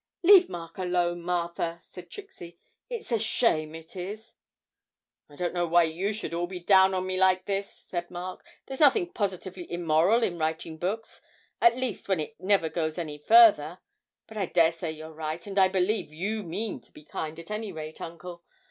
'Leave Mark alone, Martha,' said Trixie. 'It's a shame it is.' 'I don't know why you should all be down on me like this,' said Mark; 'there's nothing positively immoral in writing books at least when it never goes any further. But I daresay you're right, and I believe you mean to be kind at any rate, uncle.